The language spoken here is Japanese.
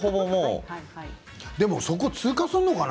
でも、そこを通過するのかな？